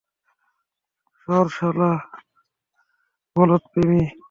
সর শালা বলদপ্রেমী।